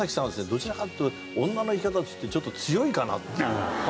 どちらかというと女の生き方としてちょっと強いかなという。